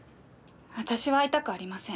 私は会いたくありません。